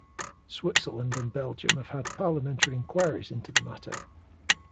Switzerland and Belgium have had parliamentary inquiries into the matter.